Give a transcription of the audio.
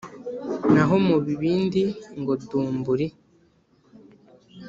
Naho mu bibindi ngo dumburi